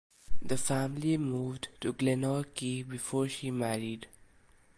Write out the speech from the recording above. The family moved to Glenorchy before she married.